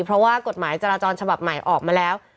เพราะว่ากฎหมายจราจรฉบับใหม่ออกมาแล้ว